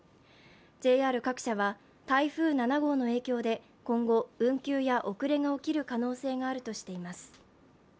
ＪＲ各社は台風７号の影響で今後、運休や遅れが起きる可能性があるとしています。